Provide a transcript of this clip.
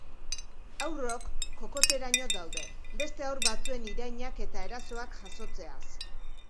Haurrok kokoteraino daude beste haur batzuen irainak eta erasoak jasotzeaz.